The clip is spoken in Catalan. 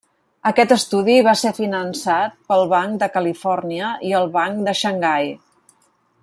Aquest estudi va ser finançat pel Banc de Califòrnia i el Banc de Xangai.